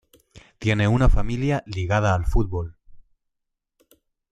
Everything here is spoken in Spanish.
Tiene una familia ligada al fútbol.